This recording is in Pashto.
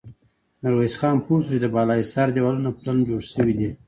ميرويس خان پوه شو چې د بالا حصار دېوالونه پلن جوړ شوي دي.